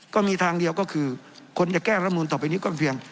ก็มีทางเดียวก็คือคนจะแก้รับนูนต่อไปนี้ก็เพียง